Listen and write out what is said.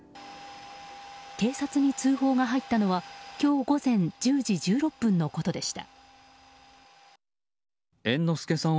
警察に通報が入ったのは今日午前１０時１６分のことでした。